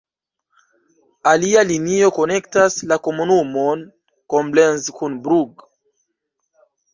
Alia linio konektas la komunumon Koblenz kun Brugg.